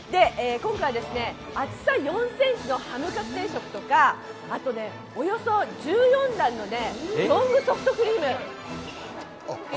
今回は厚さ４ｃｍのハムカツ定食とか、およそ１４段のロングソフトクリーム。